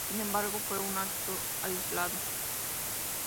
Sin embargo fue un acto aislado.